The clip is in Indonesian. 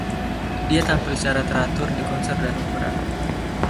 Dia tampil secara teratur di konser dan opera.